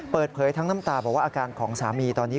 เปิดเผยทั้งน้ำตาบอกว่าอาการของสามีตอนนี้